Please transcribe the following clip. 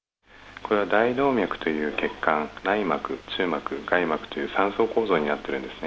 これは大動脈という血管、内膜、中膜、外膜という３層構造になってるんですね。